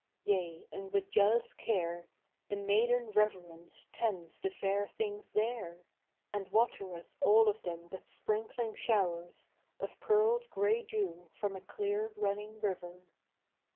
Yea, and with Jealous care The maiden Reverence tends the fair things there. And watereth all of them with sprinkling showers Of pearled grey dew fro^n a clear running river.